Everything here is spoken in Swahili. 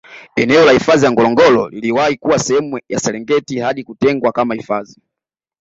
Eneo la hifadhi ya Ngorongoro liliwahi kuwa sehemu ya Serengeti hadi kutengwa kama hifadhi